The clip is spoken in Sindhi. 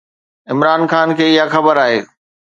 عمران خان کي اها خبر آهي.